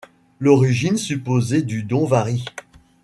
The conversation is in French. L'origine supposée du don varie.